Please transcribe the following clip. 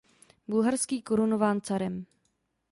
Bulharský korunován carem.